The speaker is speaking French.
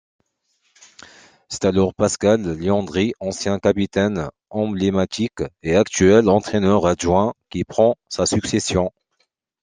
C'est alors Pascal Léandri, ancien capitaine emblématique et actuel entraineur-adjoint, qui prend sa succession.